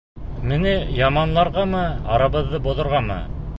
Мине яманларғамы, арабыҙҙы боҙорғамы?